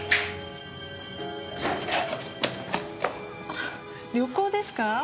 あっ旅行ですか？